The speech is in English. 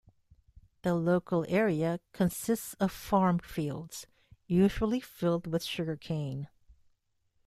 The local area consists of farm fields, usually filled with sugar cane.